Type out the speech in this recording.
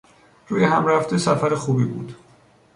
رویهم رفته سفر خوبی بود.